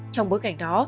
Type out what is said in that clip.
trong bối cảnh đó